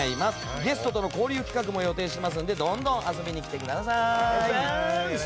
ゲストとの交流企画もありますのでどんどん遊びに来てください。